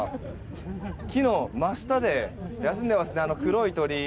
木の真下で休んでいますねあの黒い鳥。